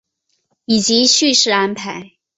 以及叙事安排